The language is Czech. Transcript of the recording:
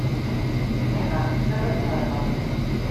Eva se rozhlédla.